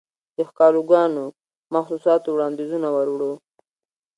دښکالوګانو، محسوساتووړاندیزونه وروړو